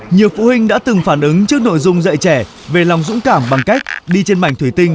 nhiều phụ huynh đã từng phản ứng trước nội dung dạy trẻ về lòng dũng cảm bằng cách đi trên mảnh thủy tinh